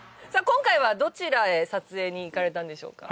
今回はどちらへ撮影に行かれたんでしょうか？